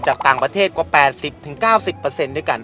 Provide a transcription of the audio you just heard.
จากต่างประเทศกว่า๘๐๙๐ด้วยกัน